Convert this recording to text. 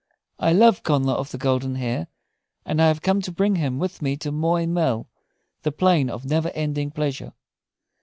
I love Connla of the Golden Hair, and I have come to bring him with me to Moy mell, the plain of never ending pleasure.